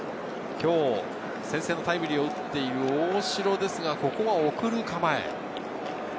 先制タイムリーを打っている大城ですが、ここは送る構え。